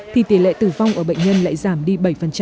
thì tỷ lệ tử vong ở bệnh nhân lại giảm đi bảy